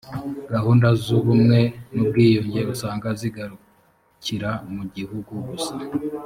gahunda z ubumwe n ubwiyunge usanga zigarukira mu gihugu gusa